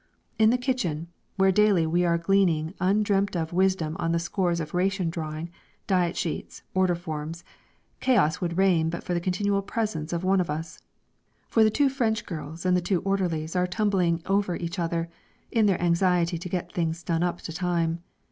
In the kitchen, where daily we are gleaning undreamt of wisdom on the scores of ration drawing, diet sheets, order forms, chaos would reign but for the continual presence of one of us. For the two French girls and two orderlies are tumbling over each other in their anxiety to get things done up to time.